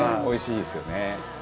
おいしいですよね。